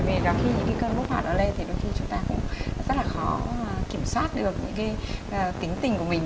vì là khi những cơn bốc hỏa nó lên thì đôi khi chúng ta cũng rất là khó kiểm soát được những cái tính tình của mình